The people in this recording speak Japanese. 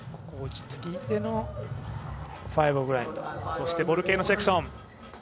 そしてボルケーノセクション。